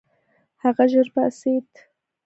هغه ژر پاڅېد.